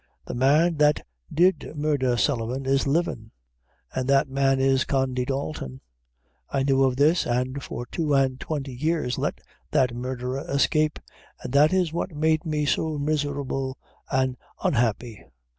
The man that did murdher Sullivan is livin', and that man is Condy Dalton. I knew of this, an' for two an' twenty years let that murdherer escape, an' that is what made me so miserable an' unhappy.